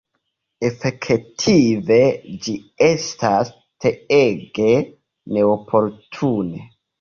Efektive, ĝi estas treege neoportune!